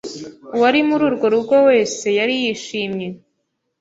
uwari muri urwo rugo wese yari yishimye.